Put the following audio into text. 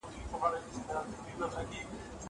هغه څوک چي ښوونځی ته ځي زدکړه کوي.